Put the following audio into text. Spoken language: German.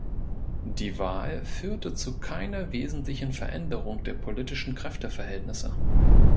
Die Wahl führte zu keiner wesentlichen Veränderung der politischen Kräfteverhältnisse.